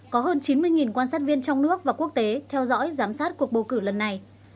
có hơn chín mươi quan sát viên trong nước và quốc tế theo dõi giám sát cuộc bầu cử lần này